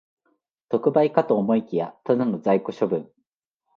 特売かと思いきや、ただの在庫処分